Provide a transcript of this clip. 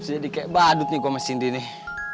bisa jadi kayak badut nih gue sama cindy nih